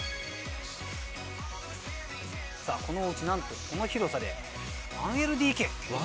さぁこのお家なんとこの広さで１ＬＤＫ。